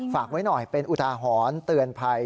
ฝากไว้หน่อยเป็นอุทาหรณ์เตือนภัย